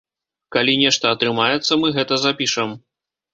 Калі нешта атрымаецца, мы гэта запішам.